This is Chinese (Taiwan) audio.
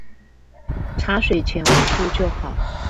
茶水錢我出就好